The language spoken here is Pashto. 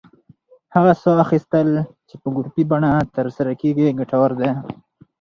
هغه ساه اخیستل چې په ګروپي بڼه ترسره کېږي، ګټور دی.